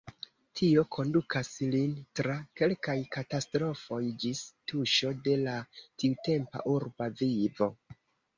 Tio kondukas lin tra kelkaj katastrofoj, ĝis tuŝo de la tiutempa urba vivo.